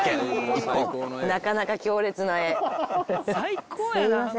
なかなか強烈な画。